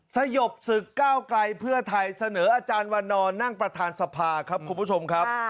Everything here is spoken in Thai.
สยบศึกก้าวไกลเพื่อไทยเสนออาจารย์วันนอนนั่งประธานสภาครับคุณผู้ชมครับ